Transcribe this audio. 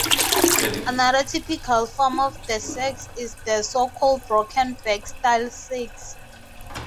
Another typical form of the seax is the so-called broken-back style seax.